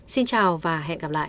xin chào và hẹn gặp lại